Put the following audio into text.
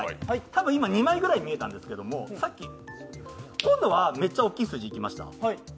多分今２枚ぐらい見えたんですけども、さっき今度はめっちゃ大きい数字いきました。